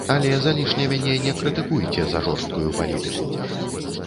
Але залішне мяне не крытыкуйце за жорсткую палітыку.